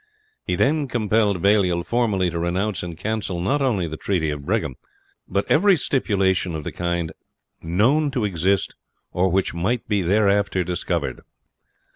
He then compelled Baliol formally to renounce and cancel not only the Treaty of Brigham, but every stipulation of the kind "known to exist, or which might be thereafter discovered."